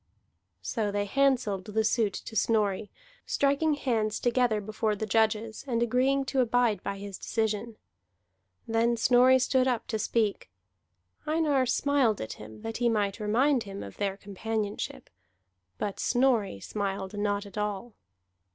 So they handselled the suit to Snorri, striking hands together before the judges, and agreeing to abide by his decision. Then Snorri stood up to speak. Einar smiled at him that he might remind him of their companionship, but Snorri smiled not at all.